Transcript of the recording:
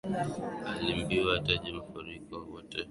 Aliambiwa ataje makafiri wote.